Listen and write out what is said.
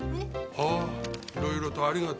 ああいろいろとありがとう。